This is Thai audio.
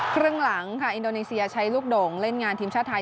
ครึ่งหลังค่ะอินโดนีเซียใช้ลูกโด่งเล่นงานทีมชาติไทย